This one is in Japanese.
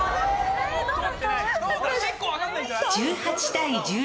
１８対１４。